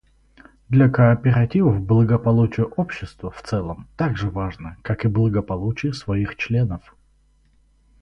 Для кооперативов благополучие общества в целом так же важно, как и благополучие своих членов.